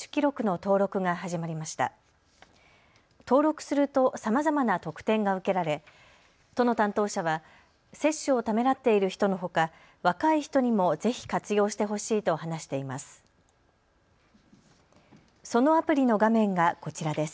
登録するとさまざまな特典が受けられ、都の担当者は接種をためらっている人のほか若い人にもぜひ活用してほしいと話しています。